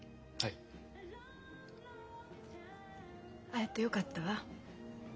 会えてよかったわ。